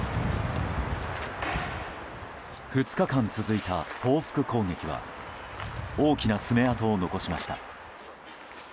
２日間続いた報復攻撃は大きな爪痕を残しました。